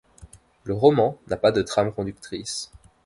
Le roman n'a pas de trame conductrice.